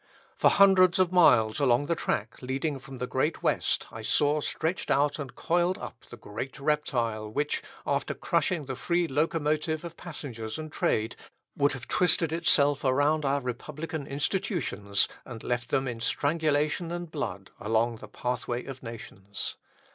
For hundreds of miles along the track leading from the great West I saw stretched out and coiled up the great reptile which, after crushing the free locomotive of passengers and trade, would have twisted itself around our republican institutions, and left them in strangulation and blood along the pathway of nations.